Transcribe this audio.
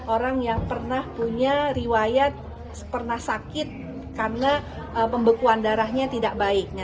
orang yang pernah punya riwayat pernah sakit karena pembekuan darahnya tidak baik